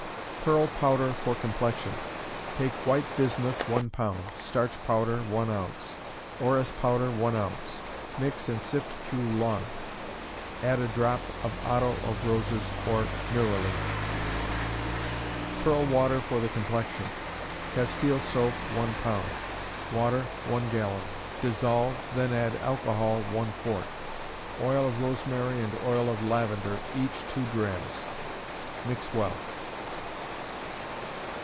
Pearl Powder for Complexion. Take white bismuth, one pound; starch powder, one ounce; orris powder, one ounce. Mix and sift through lawn. Add a drop of otto of roses or neroli. Pearl Water for the Complexion. Castile soap, one pound; water, one gallon. Dissolve, then add alcohol, one quart; oil of rosemary and oil of lavender, each two drachms. Mix well.